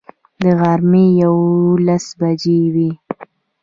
د غرمې یوولس بجې وې.